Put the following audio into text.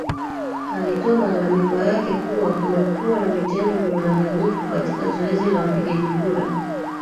alitoa malalamiko yake kuwa kumekuwa na vitendo vya udanganyifu katika zoezi la wapigaji kura